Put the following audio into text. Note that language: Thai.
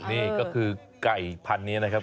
นี่ก็คือไก่พันธุ์นี้นะครับ